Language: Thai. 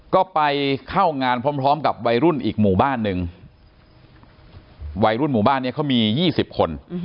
ก็ไปเข้างานพร้อมกับวัยรุ่นอีกหมู่บ้านหนึ่งวัยรุ่นหมู่บ้านนี้เขามี๒๐คน